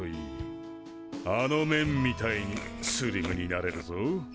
あのめんみたいにスリムになれるぞ。